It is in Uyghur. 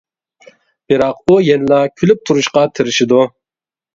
بىراق ئۇ يەنىلا كۈلۈپ تۇرۇشقا تىرىشىدۇ.